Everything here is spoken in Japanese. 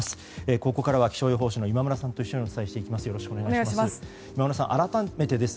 ここからは気象予報士の今村さんと一緒にお伝えしていきます。